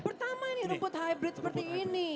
pertama nih rumput hybrid seperti ini